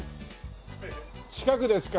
近くですか？